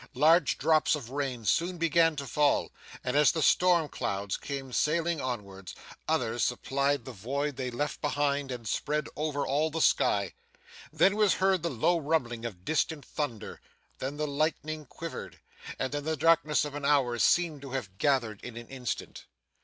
Large drops of rain soon began to fall, and, as the storm clouds came sailing onward, others supplied the void they left behind and spread over all the sky. Then was heard the low rumbling of distant thunder, then the lightning quivered, and then the darkness of an hour seemed to have gathered in an instant.